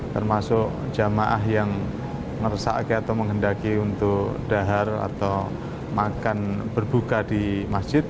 termasuk jamaah yang meresaki atau menghendaki untuk dahar atau makan berbuka di masjid